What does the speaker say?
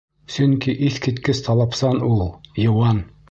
Сөнки иҫ киткес талапсан ул. Йыуан.